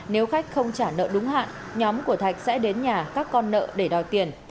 nếu khách không trả nợ đúng hạn nhóm của thạch sẽ đến nhà các con nợ để đòi tiền